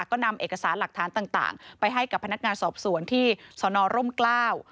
ก็นำเอกสารหลักฐานต่างไปให้กับพนักงานสอบสวนที่สนร่มกล้า